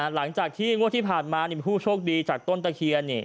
หลังจากที่งวดที่ผ่านมามีผู้โชคดีจากต้นตะเคียน